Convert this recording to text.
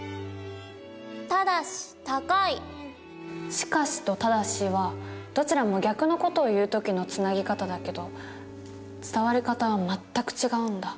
「しかし」と「ただし」はどちらも逆の事を言う時のつなぎ方だけど伝わり方は全く違うんだ。